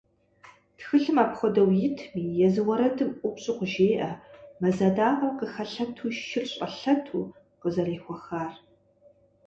Тхылъым апхуэдэу итми, езы уэрэдым ӏупщӏу къыжеӏэ «мэз адакъэр къыхэлъэту, шыр щӏэлъэту» къызэрехуэхар.